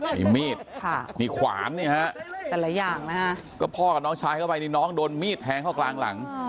มีมีดมีขวานเนี่ยฮะแต่ละอย่างนะฮะก็พ่อกับน้องชายเข้าไปนี่น้องโดนมีดแทงเข้ากลางหลัง